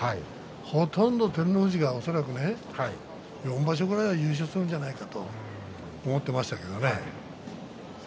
ほとんど照ノ富士が恐らく４場所ぐらい優勝するんじゃないかと思っていましたけれどね。